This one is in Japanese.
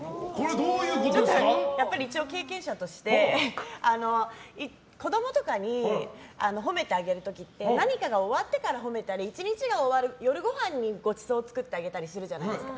一応、経験者として子供とかに褒めてあげる時って何かが終わってから褒めたり１日が終わる夜ごはんにごちそうを作ってあげたりするじゃないですか。